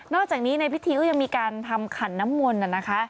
อกจากนี้ในพิธีก็ยังมีการทำขันน้ำมนต์